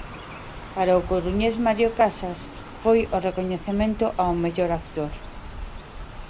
Para o coruñés Mario Casás foi o recoñecemento ao mellor actor.